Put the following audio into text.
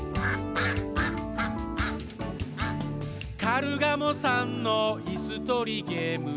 「カルガモさんのいすとりゲーム」